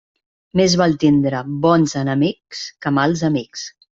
Més val tindre bons enemics que mals amics.